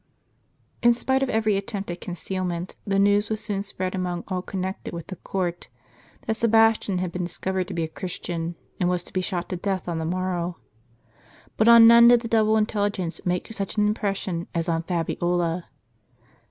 ^ N spite of every attempt at concealment, the news was soon spread among all connected with the court, that Sebastian had been discovered to be a Christian, and was to be shot to death on the mor row. But on none did the double intel ligence make such an impression as on Fabiola.